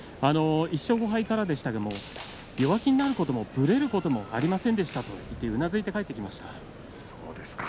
１勝５敗からでしたけれども弱気になることも、ぶれることもありませんでしたとうなずいて帰ってきました。